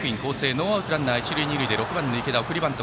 ノーアウトランナー、一塁二塁で６番の池田、送りバント。